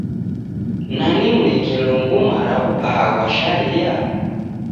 Nani unekelo nguma ra w'ubaa ghwa sharia?